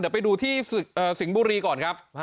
เดี๋ยวไปดูที่สิงห์บุรีก่อนครับ